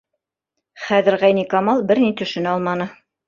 Хәҙер Ғәйникамал бер ни төшөнә алманы.